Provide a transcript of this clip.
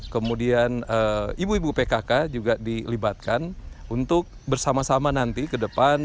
kemudian ibu ibu pkk juga dilibatkan untuk bersama sama nanti ke depan